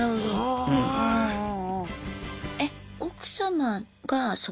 ああ。